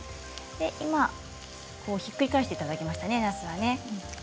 今、ひっくり返していただきましたね、なす。